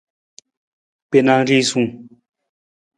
Gbena risung.